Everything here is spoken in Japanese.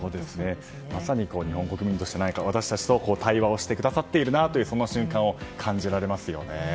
まさに日本国民として何か対話をしてくださってるなというそんな瞬間を感じられますよね。